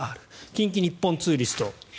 近畿日本ツーリスト